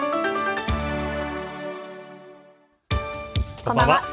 こんばんは。